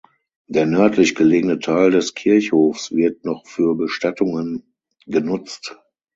Der nördlich gelegene Teil des Kirchhofs wird noch für Bestattungen genutzt.